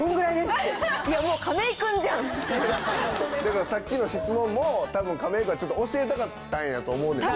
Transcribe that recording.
だからさっきの質問も多分亀井君はちょっと教えたかったんやと思うねんな。